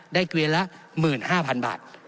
เกวียนละ๑๕๐๐๐บาท